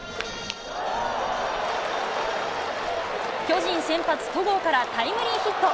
巨人先発、戸郷からタイムリーヒット。